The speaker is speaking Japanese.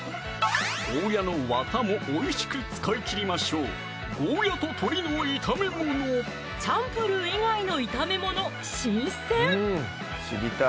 ゴーヤのわたもおいしく使い切りましょうチャンプルー以外の炒めもの新鮮！